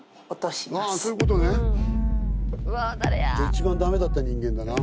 一番駄目だった人間だな。